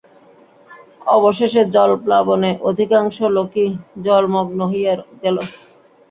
অবশেষে জলপ্লাবনে অধিকাংশ লোকই জলমগ্ন হইয়া গেল।